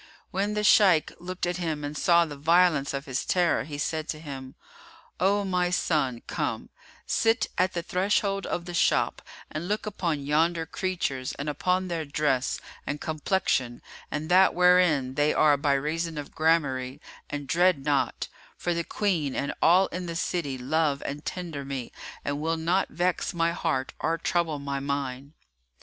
When the Shaykh looked at him and saw the violence of his terror, he said to him, "O my son, come, sit at the threshold of the shop and look upon yonder creatures and upon their dress and complexion and that wherein they are by reason of gramarye and dread not; for the Queen and all in the city love and tender me and will not vex my heart or trouble my mind."